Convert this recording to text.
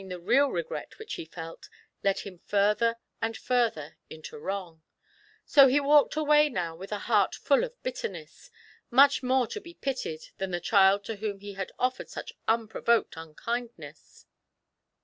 133 the real regret which he felt, led him further and further into wrong ; so he walked away now with a heart fiill of bitterness, much more to be pitied than the child to whom he had oflFered such unprovoked unkindness.